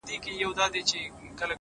• سړې اوږدې شپې به یې سپیني کړلې,